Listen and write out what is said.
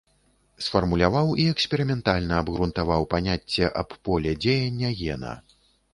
Сфармуляваў і эксперыментальна абгрунтаваў паняцце аб поле дзеяння гена.